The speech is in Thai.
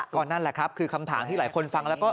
ก็นั่นแหละครับคือคำถามที่หลายคนฟังแล้วก็